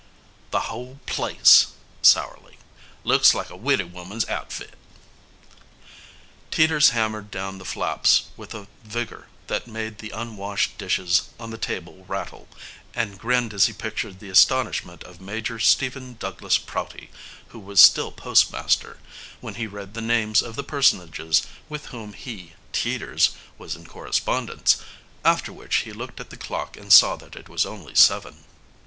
"The whole place," sourly, "looks like a widdy woman's outfit." Teeters hammered down the flaps with a vigor that made the unwashed dishes on the table rattle, and grinned as he pictured the astonishment of Major Stephen Douglas Prouty, who was still postmaster, when he read the names of the personages with whom he, Teeters, was in correspondence after which he looked at the clock and saw that it was only seven.